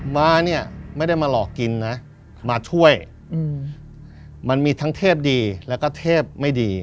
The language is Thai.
มาเนี่ยไม่ได้มาหลอกกินนะมาช่วยมันมีทั้งเทพดีแล้วก็เทพไม่ดี